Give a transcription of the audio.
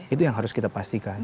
itu yang harus kita pastikan